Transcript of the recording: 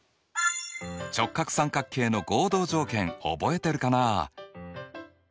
直角三角形の合同条件覚えているかな？